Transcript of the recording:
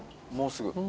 もうすぐ。